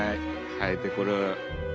生えてくる。